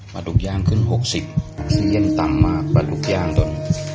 ทุกย่างขึ้น๖๐เส้นเย็นต่ำมากปลาดุกย่างจน